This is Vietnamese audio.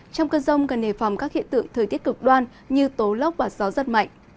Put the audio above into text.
trong cơn rông gần nề phòng các hiện tượng thời tiết cực đoan như tố lốc và gió rất mạnh